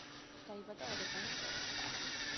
დაიბადა ორეგონის შტატში.